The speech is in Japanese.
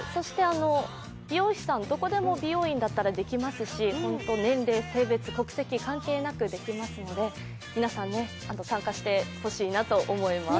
美容師さん、どこでも美容院だったらできますし、年齢、性別、国籍関係なくできますので、皆さん、参加してほしいなと思います。